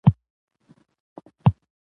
په مېلو کښي ځوانان د نوو دوستانو سره اشنا کېږي.